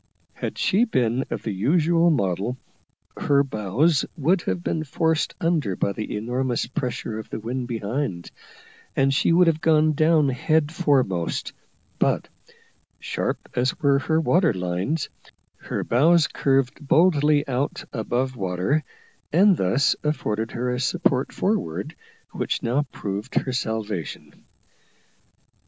Had she been of the usual model, her bows would have been forced under by the enormous pressure of the wind behind, and she would have gone down head foremost; but, sharp as were her water lines, her bows curved boldly out above water, and thus afforded her a support forward, which now proved her salvation.